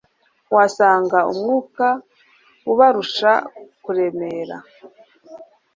wasanga umwuka ubarusha kuremera